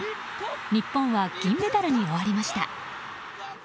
日本は銀メダルに終わりました。